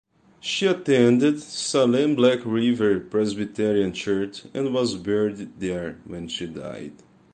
She attended Salem Black River Presbyterian Church and was buried there when she died.